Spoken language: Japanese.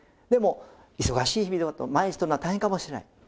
でも忙しい日々だと毎日とるのは大変かもしれない。